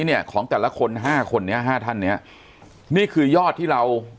เนี่ยของแต่ละคนห้าคนนี้ห้าท่านเนี้ยนี่คือยอดที่เรา